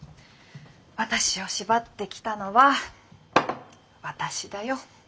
私を縛ってきたのは私だよ。